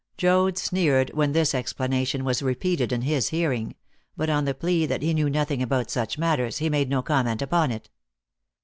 Joad sneered when this explanation was repeated in his hearing, but, on the plea that he knew nothing about such matters, he made no comment upon it.